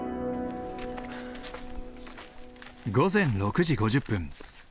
午前６時５０分。